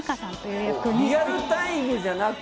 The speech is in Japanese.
リアルタイムじゃなく。